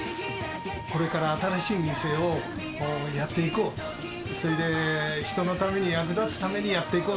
これから新しい店をやっていこうと、それで、人のために、役立つためにやっていこう。